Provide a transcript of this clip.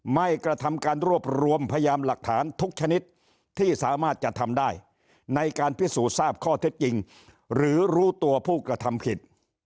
ไม่กระทำการรวบรวมพยานหลักฐานทุกชนิดที่สามารถจะทำได้ในการพิสูจน์ทราบข้อเท็จจริงหรือรู้ตัวผู้กระทำผิด